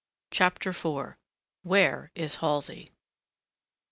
CHAPTER IV. WHERE IS HALSEY?